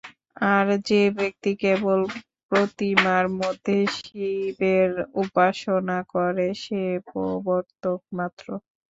আর যে-ব্যক্তি কেবল প্রতিমার মধ্যে শিবের উপাসনা করে, সে প্রবর্তক মাত্র।